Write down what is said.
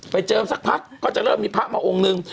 เจิมสักพักก็จะเริ่มมีพระมาองค์นึง